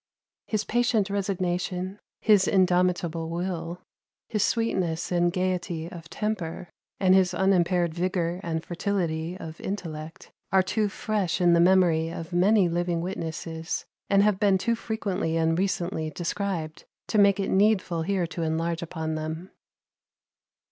His patient resignation, his indomitable will, his sweetness and gayety of temper, and his unimpaired vigor and fertility of intellect, are too fresh in the memory of many living witnesses, and have been too frequently and recently described to make it needful here to enlarge upon them.